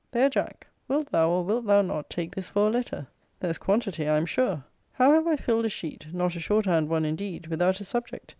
There, Jack! Wilt thou, or wilt thou not, take this for a letter? there's quantity, I am sure. How have I filled a sheet (not a short hand one indeed) without a subject!